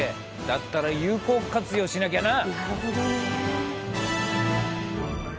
だったら有効活用しなきゃな。